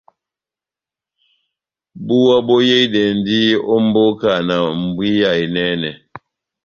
Búwa boyehidɛndi ó mbóka na mbwiya enɛnɛ.